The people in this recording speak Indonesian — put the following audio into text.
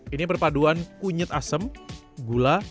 ini perpaduan kunyit asem gula dan krim